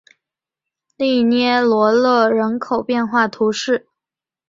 利涅罗勒人口变化图示